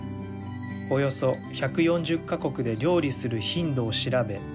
およそ１４０カ国で料理する頻度を調べ